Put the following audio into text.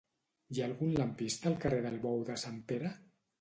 Hi ha algun lampista al carrer del Bou de Sant Pere?